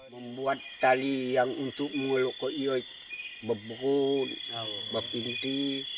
membuat tali yang untuk mengelukkan ia berbun berpinti